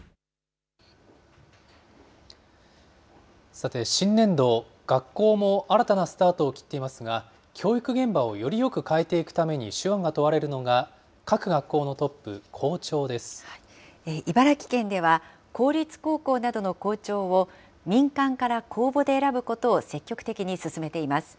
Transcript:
さて、新年度、学校も新たなスタートを切っていますが、教育現場をよりよく変えていくために手腕が問われるのが、茨城県では、公立高校などの校長を民間から公募で選ぶことを積極的に進めています。